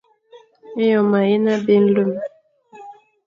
Eyon mayen abé nlem.